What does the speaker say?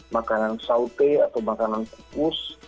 makanan sate atau makanan kukus